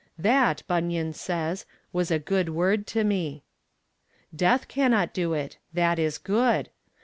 _' 'That,' Bunyan says, 'was a good word to me.' Death cannot do it! that is good!